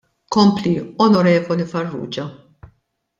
Kompli, Onorevoli Farrugia.